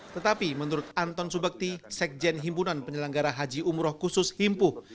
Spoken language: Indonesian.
tetapi menurut anton subakti sekjen himpunan penyelenggara haji umroh khusus himpuh